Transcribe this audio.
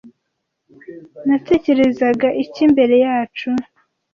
natekerezaga iki mbere yacu